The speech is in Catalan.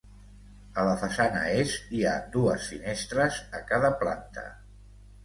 A la façana est, hi ha dues finestres a cada planta.